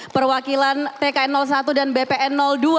perwakilan tkn satu dan bpn dua